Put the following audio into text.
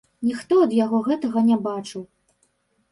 Ніхто ад яго гэтага не бачыў.